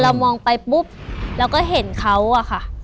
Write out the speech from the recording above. พอเรามองไปปุ๊บแล้วก็เห็นเขาอะค่ะ